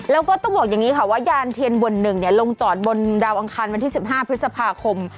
แล้วก็ต้องบอกอย่างนี้ค่ะว่ายานเทียนบ่น๑ลงจอดบนดาวอังคารวันที่๑๕พฤษภาคม